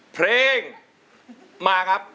เพลงมาครับ